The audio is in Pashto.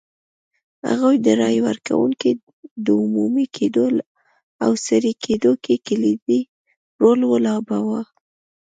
هغوی د رایې ورکونې د عمومي کېدو او سري کېدو کې کلیدي رول ولوباوه.